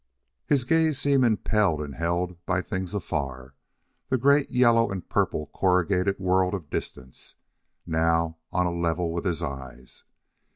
His gaze seemed impelled and held by things afar the great yellow and purple corrugated world of distance, now on a level with his eyes.